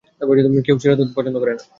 কেউ ছিঁড়া দুধ পছন্দ করে না।